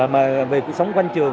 mà về cuộc sống quanh trường